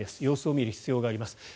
様子を見る必要があります。